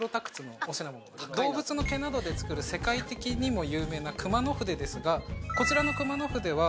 動物の毛などで作る世界的にも有名な熊野筆ですがこちらの熊野筆は。